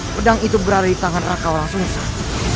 pedang itu berada di tangan rakaulah sungsan